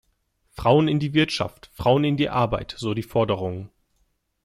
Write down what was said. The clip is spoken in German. Frauen in die Wirtschaft, Frauen in die Arbeit so die Forderungen.